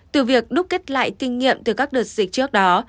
từ việc đúc kết lại kinh nghiệm từ các đợt dịch trước đó